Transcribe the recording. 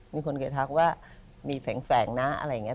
มีคนเคยทักว่ามีแฝงนะอะไรอย่างนี้